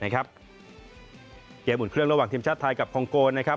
เกมอุ่นเครื่องระหว่างทีมชาติไทยกับคองโกนะครับ